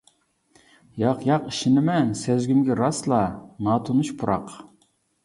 ياق-ياق ئىشىنىمەن سەزگۈمگە راسلا ناتونۇش پۇراق.